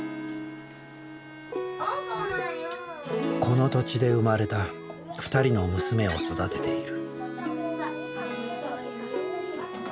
この土地で生まれた２人の娘を育てている。